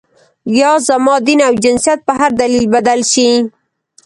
یا زما دین او جنسیت په هر دلیل بدل شي.